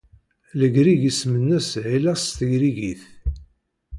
Legrig isem-nnes Hellas s tegrigit.